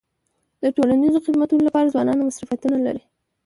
د ټولنیزو خدمتونو لپاره ځوانان فرصتونه لري.